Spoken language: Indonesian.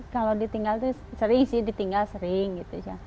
kalau ditinggal tuh sering sih ditinggal sering gitu